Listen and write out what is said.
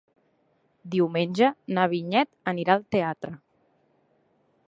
Diumenge na Vinyet anirà al teatre.